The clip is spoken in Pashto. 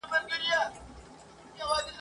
شنه به له خندا سي وايي بله ورځ ..